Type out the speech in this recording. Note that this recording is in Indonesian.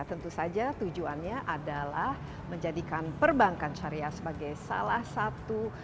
tentu saja tujuannya adalah menjadikan perbankan syariah sebagai salah satu